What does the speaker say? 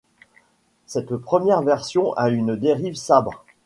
Cette première version a une dérive sabre.